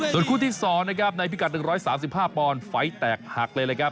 ส่วนคู่ที่๒นะครับในพิกัด๑๓๕ปอนด์ไฟล์แตกหักเลยนะครับ